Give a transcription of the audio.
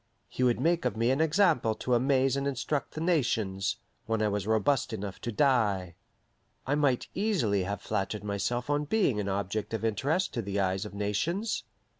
He would make of me an example to amaze and instruct the nations when I was robust enough to die. I might easily have flattered myself on being an object of interest to the eyes of nations.